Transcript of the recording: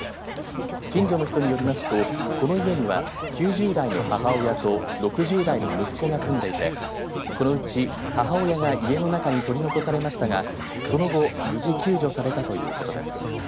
近所の人によりますとこの家には９０代の母親と６０代の息子が住んでいてこのうち母親が家の中に取り残されましたがその後、無事救助されたということです。